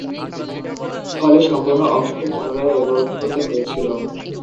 ফলে সম্পূর্ণ অংশটি পুনরায় রেকর্ড করতে হয়েছিল।